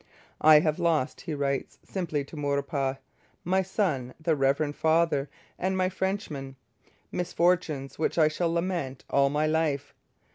'I have lost,' he writes simply to Maurepas, 'my son, the reverend Father, and my Frenchmen, misfortunes which I shall lament all my life.'